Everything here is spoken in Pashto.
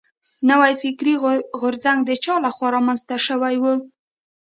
نوی فکري غورځنګ د چا له خوا را منځ ته شوی و.